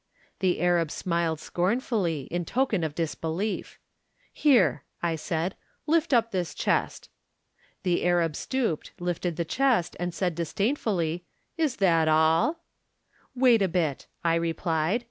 " The Arab smiled scornfully, in token of disbelief. "« Here/ I said, ' lift up this chest.' " The Arab stooped, lifted the chest, and said disdainfully, *\% that all ?'"' Wait a bit/ I replied.